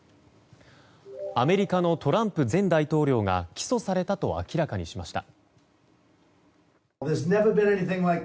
アメリカのトランプ前大統領が起訴されたと明らかにしました。